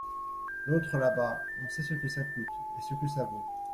L’autre là-bas, on sait ce que ça coûte, et ce que ça vaut !…